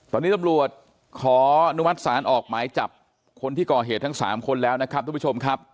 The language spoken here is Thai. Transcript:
ตอนนี้ตำรวจขออนุมัติศาลออกหมายจับคนที่ก่อเหตุทั้ง๓คนแล้วนะครับทุกผู้ชมครับ